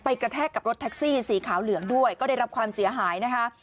กระแทกกับรถแท็กซี่สีขาวเหลืองด้วยก็ได้รับความเสียหายนะคะ